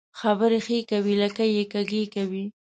خبري ښې کوې ، لکۍ يې کږۍ کوې.